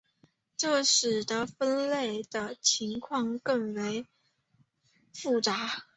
这使得分类的情况更为复杂。